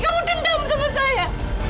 kamu dendam sama saya